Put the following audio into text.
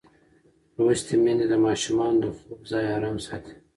لوستې میندې د ماشومانو د خوب ځای ارام ساتي.